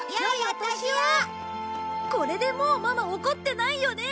これでもうママ怒ってないよね！